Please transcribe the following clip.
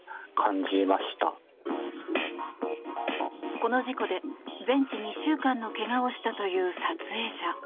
この事故で全治２週間の怪我をしたという撮影者。